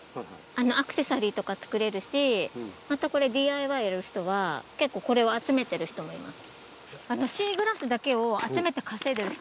アクセサリーとか作れるしＤＩＹやる人は結構これを集めてる人もいます。